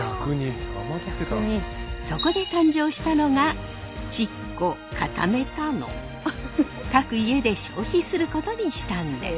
そこで誕生したのが各家で消費することにしたんです。